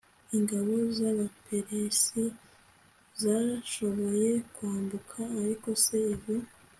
ingabo z abaperesi zashoboye kwambuka ariko se izo